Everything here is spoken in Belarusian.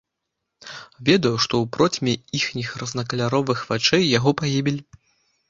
Ведаў, што ў процьме іхніх рознакаляровых вачэй яго пагібель.